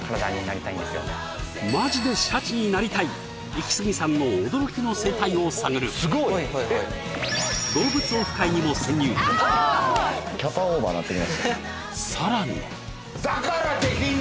マジでシャチになりたいイキスギさんの驚きの生態を探る動物オフ会にも潜入さらに！